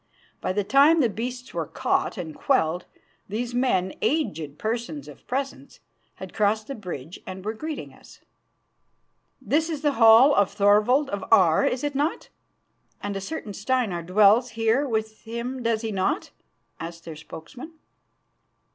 By the time the beasts were caught and quelled, these men, aged persons of presence, had crossed the bridge and were greeting us. "This is the hall of Thorvald of Aar, is it not? And a certain Steinar dwells here with him, does he not?" asked their spokesman.